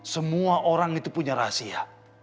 semua orang itu punya rahasia